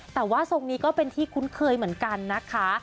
แต่ว่าทรงนี้ก็เป็นที่คุ้นเคยเหมือนกันนะคะ